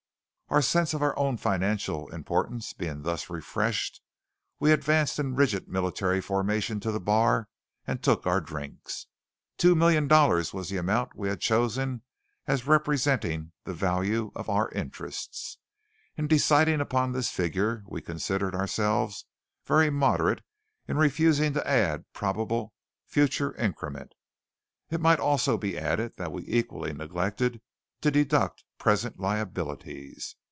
Our sense of our own financial importance being thus refreshed, we advanced in rigid military formation to the bar and took our drinks. Two million dollars was the amount we had chosen as representing the value of Our Interests. In deciding upon this figure we considered ourselves very moderate in refusing to add probable future increment. It might also be added that we equally neglected to deduct present liabilities.